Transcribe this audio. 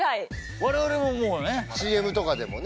われわれももうねＣＭとかでもね。